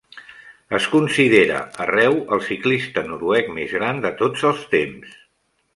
Es considera arreu el ciclista noruec més gran de tots els temps.